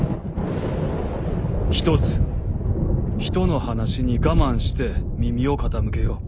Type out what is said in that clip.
一つ人の話に我慢して耳を傾けよ。